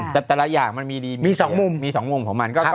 แต่แต่ละอย่างมันมีดีมี๒มุมมี๒มุมของมัน